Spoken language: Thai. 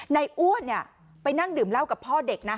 ในอ้วนเนี้ยไปนั่งดื่มเล่ากับพ่อเด็กนะ